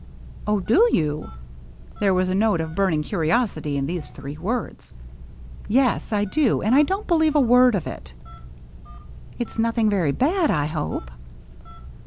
" Oh, do you ?" There was a note of burn ing curiosity in these three words. " Yes, I do. And I don't believe a word of it." " It's nothing very bad, I hope